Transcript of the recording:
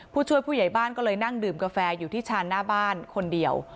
ผู้ช่วยผู้ใหญ่บ้านก็เลยนั่งดื่มกาแฟอยู่ที่ชานหน้าบ้านคนเดียว